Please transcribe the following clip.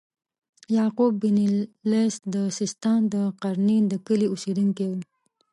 یعقوب بن اللیث د سیستان د قرنین د کلي اوسیدونکی و.